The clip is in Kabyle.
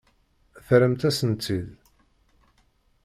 Terramt-asen-t-id.